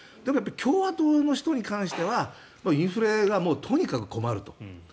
共和党の人に関してはインフレはとにかく困ると。